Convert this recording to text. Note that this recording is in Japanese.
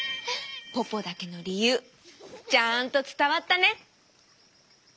ポポだけのりゆうちゃんとつたわったね。